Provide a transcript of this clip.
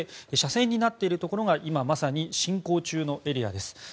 斜線になっているところが今まさに進行中のエリアです。